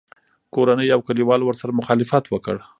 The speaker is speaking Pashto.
کورنۍ او کلیوالو ورسره مخالفت وکړ